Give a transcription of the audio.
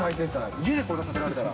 家でこれが食べれたら。